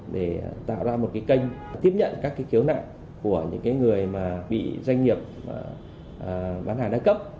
để tạo ra một kênh tiếp nhận các kiếu nạn của những người bị doanh nghiệp bán hàng đa cấp